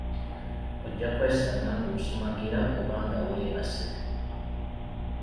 Ojja kwesanga ng'osumagira oba nga weebaase.